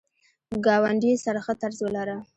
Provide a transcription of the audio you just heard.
ګاونډي سره ښه طرز ولره